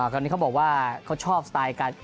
ตอนนี้เขาบอกว่าเขาชอบสไตล์การ